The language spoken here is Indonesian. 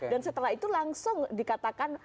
dan setelah itu langsung dikatakan